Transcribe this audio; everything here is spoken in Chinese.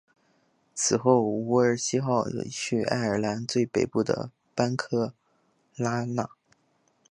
此后伍尔西号去爱尔兰最北部的班克拉纳。